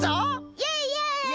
イエイイエイ！